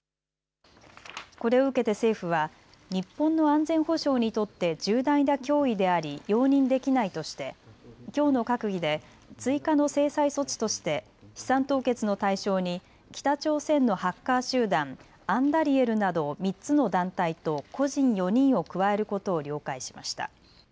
これを受けて政府は日本の安全保障にとって重大な脅威であり容認できないとしてきょうの閣議で追加の制裁措置として資産凍結の対象に北朝鮮のハッカー集団、アンダリエルなど３つの団体と個人４人を加えることを了解しました。